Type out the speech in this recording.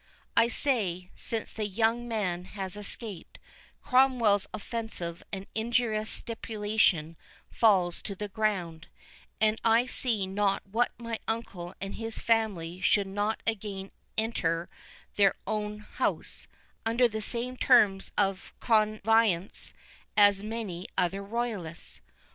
—I say, since the young Man has escaped, Cromwell's offensive and injurious stipulation falls to the ground; and I see not why my uncle and his family should not again enter their own house, under the same terms of connivance as many other royalists.